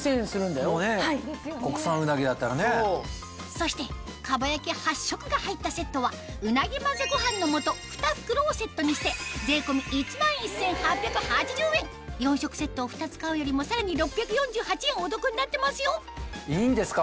そして蒲焼８食が入ったセットはうなぎ混ぜご飯の素ふた袋をセットにして４食セットを２つ買うよりもさらに６４８円お得になってますよいいんですか？